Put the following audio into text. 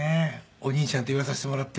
お兄ちゃんって呼ばさせてもらって。